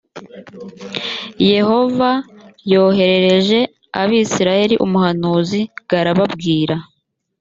yehova yoherereje abisirayeli umuhanuzi g arababwira